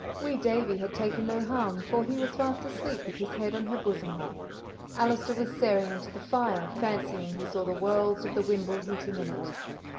Wee Davie had taken no harm, for he was fast asleep with his head on her bosom. Allister was staring into the fire, fancying he saw the whorls of the wimble heating in it.